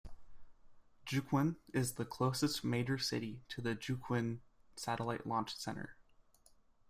Jiuquan is the closest major city to the Jiuquan Satellite Launch Center.